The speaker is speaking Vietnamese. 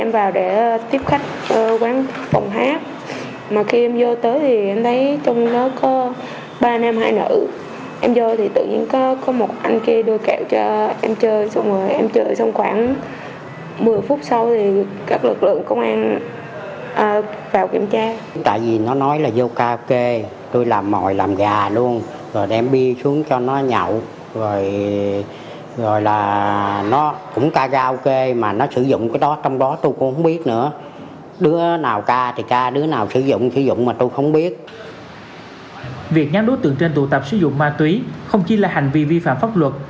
việc nhắn đối tượng trên tụ tạp sử dụng ma túy không chỉ là hành vi vi phạm pháp luật